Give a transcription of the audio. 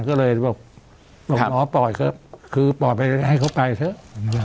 ก็เลยบอกหมอปล่อยเถอะคือปล่อยไปให้เขาไปเถอะ